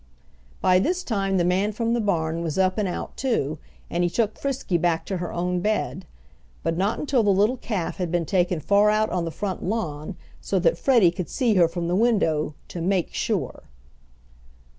By this time the man from the barn was up and out too, and he took Frisky back to her own bed; but not until the little calf had been taken far out on the front lawn so that Freddie could see her from the window "to make sure."